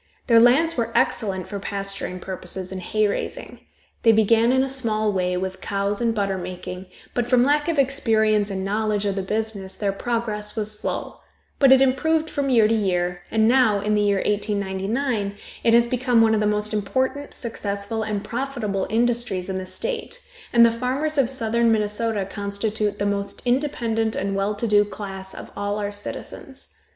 Their lands were excellent for pasturing purposes and hay raising. They began in a small way, with cows and butter making, but from lack of experience and knowledge of the business their progress was slow; but it improved from year to year, and now, in the year 1899, it has become one of the most important, successful and profitable industries in the state, and the farmers of southern Minnesota constitute the most independent and well to do class of all our citizens.